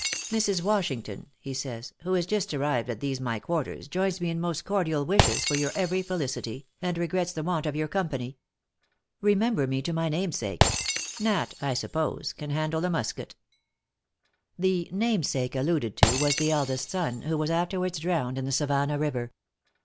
"Mrs. Washington," he says, "who is just arrived at these my quarters, joins me in most cordial wishes for your every felicity, and regrets the want of your company. Remember me to my namesake. Nat, I suppose, can handle a musket." The "namesake" alluded to, was the eldest son, who was afterwards drowned in the Savannah River.